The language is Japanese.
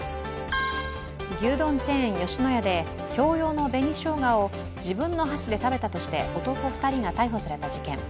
牛丼チェーン、吉野家で共用の紅しょうがを自分の箸で食べたとして男２人が逮捕された事件。